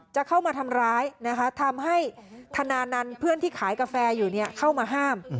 จะเข้ามาทำร้ายนะคะทำให้ธนานันต์เพื่อนที่ขายกาแฟอยู่เข้ามาห้าม